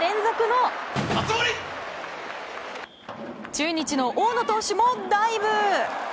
中日の大野投手もダイブ！